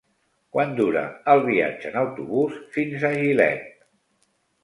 Quant dura el viatge en autobús fins a Gilet?